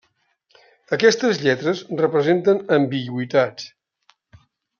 Aquestes lletres representen ambigüitat.